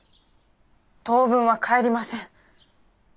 当分は帰りません。